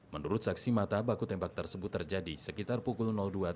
menurut saksi mata baku tembak tersebut terjadi sekitar pukul dua tiga puluh